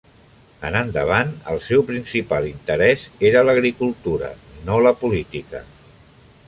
En endavant, el seu principal interès era l'agricultura, no la política.